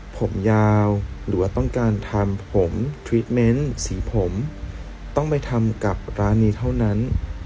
ผมยาวหรือว่าต้องการทำผมทริปเมนต์สีผมต้องไปทำกับร้านนี้เท่านั้น